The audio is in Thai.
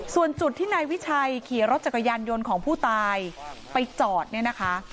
ส่วนจุดที่นายวิชัยขี่รถจักรยานยนต์ของผู้ตายไปจอดเนี่ยนะคะ